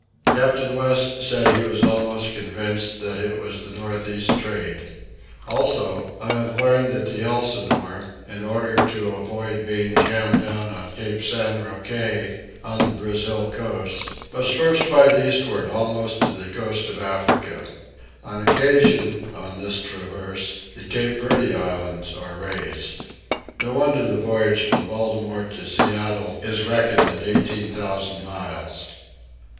Captain West said he was almost convinced that it was the north east trade. Also, I have learned that the Elsinore, in order to avoid being jammed down on Cape San Roque, on the Brazil coast, must first fight eastward almost to the coast of Africa. On occasion, on this traverse, the Cape Verde Islands are raised. No wonder the voyage from Baltimore to Seattle is reckoned at eighteen thousand miles.